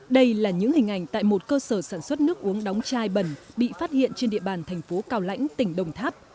đây là những hình ảnh tại một cơ sở sản xuất nước uống đóng chai bẩn bị phát hiện trên địa bàn thành phố cao lãnh tỉnh đồng tháp